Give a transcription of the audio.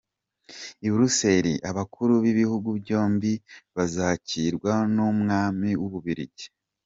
I Buruseli abakuru b’ibihugu byombi bazakirwa n’Umwami w’u Bubiligi.